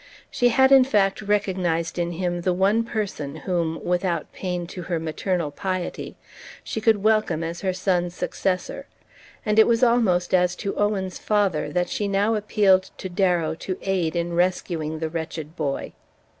She had in fact recognized in him the one person whom, without pain to her maternal piety, she could welcome as her son's successor; and it was almost as to Owen's father that she now appealed to Darrow to aid in rescuing the wretched boy.